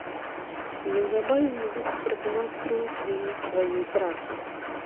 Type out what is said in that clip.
Неўзабаве музыкі прадэманструюць вынік сваёй працы.